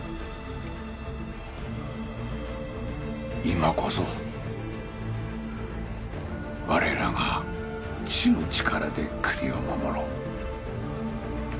今こそ我らが知の力で国を守ろう。